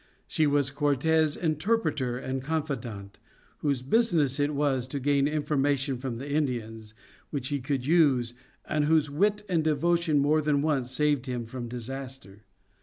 She was Cortes' interpreter and confidante, whose business it was to gain information from the Indians, which he could use, and whose wit and devotion more than once saved him from disaster.